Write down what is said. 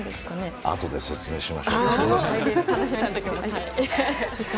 あとで説明しましょう。